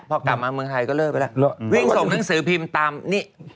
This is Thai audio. พอกลับมาเมืองไทยก็เลิกไปแล้ววิ่งส่งหนังสือพิมพ์ตามนี่